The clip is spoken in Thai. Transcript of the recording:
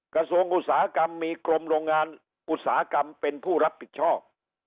อุตสาหกรรมมีกรมโรงงานอุตสาหกรรมเป็นผู้รับผิดชอบ